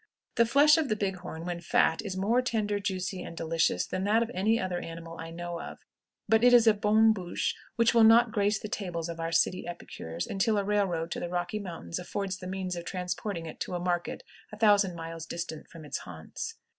The flesh of the big horn, when fat, is more tender, juicy, and delicious than that of any other animal I know of, but it is a bon bouche which will not grace the tables of our city epicures until a railroad to the Rocky Mountains affords the means of transporting it to a market a thousand miles distant from its haunts.